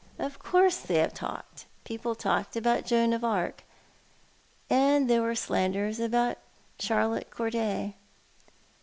" Of course they have talked — people talked about Joan of Arc — and there were slanders aboxxt Charlotte Corday.